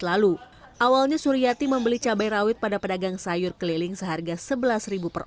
lalu awalnya suryati membeli cabai rawit pada pedagang sayur keliling seharga rp sebelas per